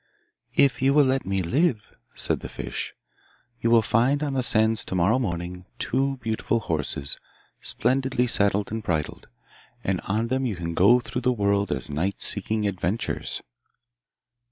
'If you will let me live,' said the fish, 'you will find on the sands to morrow morning two beautiful horses splendidly saddled and bridled, and on them you can go through the world as knights seeking adventures.